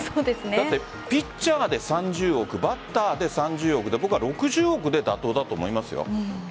だってピッチャーで３０億バッターで３０億で、６０億で妥当だと思います。